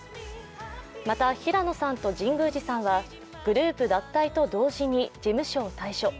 また平野さんと神宮寺さんはグループ脱退と同時に事務所を退所。